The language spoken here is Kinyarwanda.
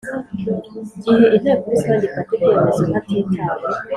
Gihe inteko rusange ifata ibyemezo hatitawe